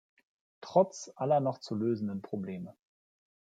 Trotz aller noch zu lösenden Probleme.